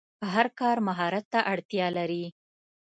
هر کار مهارت ته اړتیا لري.